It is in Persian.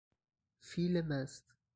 فیل مست